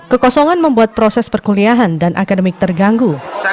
kekosongan membuat proses perkuliahan dan akademik terganggu